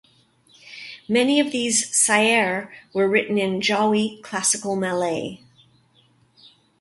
Many of these "syair" were written in Jawi classical Malay.